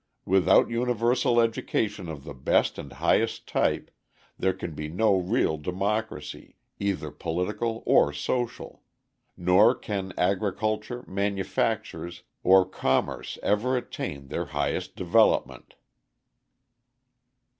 Without universal education of the best and highest type, there can be no real democracy, either political or social; nor can agriculture, manufactures, or commerce ever attain their highest development.